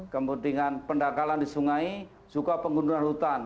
kemudian pendangkalan di sungai juga penggunaan hutan